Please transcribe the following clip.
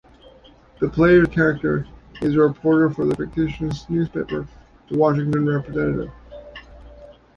The player's character is a reporter for the fictitious newspaper "The Washington Representative".